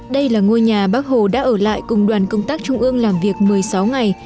đây là ngôi nhà bác hồ đã ở lại cùng đoàn công tác trung ương làm việc một mươi sáu ngày